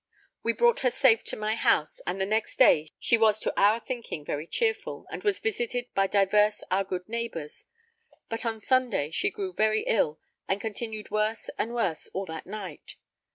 We brought her safe to my house, and the next day she was to our thinking very cheerful, and was visited by divers our good neighbours, but on Sunday she grew very ill, and continued worse and worse all that night.